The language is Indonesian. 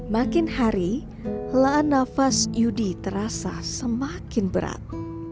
makin hari lahan nafas yudi terasa semakin berat